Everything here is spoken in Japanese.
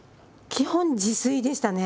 基本自炊でしたね。